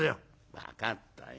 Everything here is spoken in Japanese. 「分かったよ。